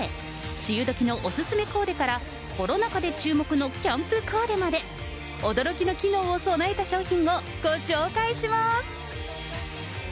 梅雨どきのお勧めコーデからコロナ禍で注目のキャンプコーデまで、驚きの機能を備えた商品をご紹介します。